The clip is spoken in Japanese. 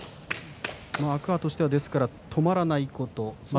天空海は止まらないこと。